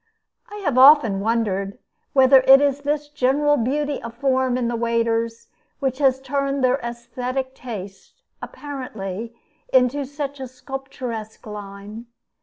I have often wondered whether it is this general beauty of form in the waders which has turned their aesthetic tastes, apparently, into such a sculpturesque line.